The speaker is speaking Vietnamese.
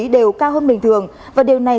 đều cao hơn bình thường và điều này